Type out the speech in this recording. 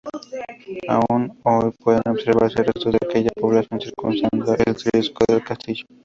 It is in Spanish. Aún hoy, pueden observarse restos de aquella población, circundando el risco del castillo.